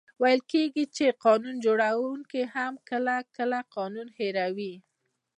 ویل کېږي چي قانون جوړونکې هم کله، کله قانون هېروي.